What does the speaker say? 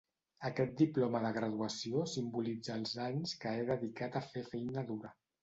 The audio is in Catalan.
Aquest diploma de graduació simbolitza els anys que he dedicat a fer feina dura.